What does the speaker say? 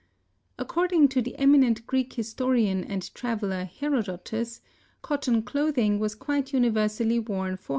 According to the eminent Greek historian and traveler, Herodotus, cotton clothing was quite universally worn 484 B.